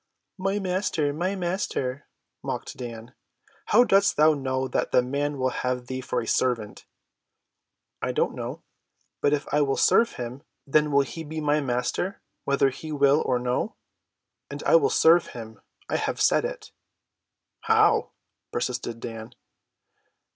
"My Master—my Master!" mocked Dan. "How dost thou know that the man will have thee for a servant?" "I do not know; but if I will serve him, then will he be my Master whether he will or no. And I will serve him. I have said it." "How?" persisted Dan.